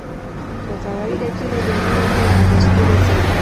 Kwa kawaida kila jamii huwa na desturi zake.